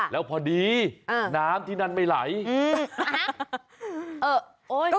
แล้วพอดีน้ำที่นั่นไม่ไหล